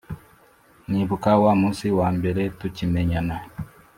nibuka wa munsi wa mbere tukimenyana